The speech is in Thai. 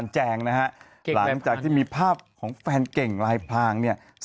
เชื่อตอนรวย